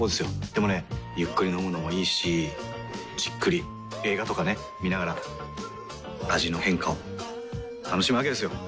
でもねゆっくり飲むのもいいしじっくり映画とかね観ながら味の変化を楽しむわけですよ。